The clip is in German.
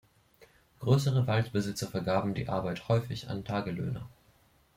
Größere Waldbesitzer vergaben die Arbeit häufig an Tagelöhner.